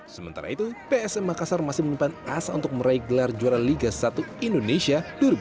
sementara itu psm makassar masih menyimpan asa untuk meraih gelar juara liga satu indonesia dua ribu dua puluh